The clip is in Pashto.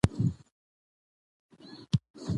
کوچۍ ، کليواله ، کيږدۍ ، کوکۍ ، کوتره ، گلبشره